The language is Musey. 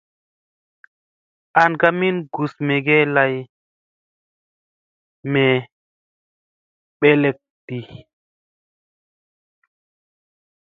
An ka min gus mege lay megeblayɗi.